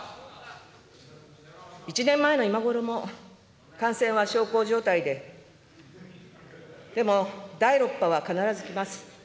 １年前の今ごろも感染は小康状態で、でも、第６波は必ず来ます。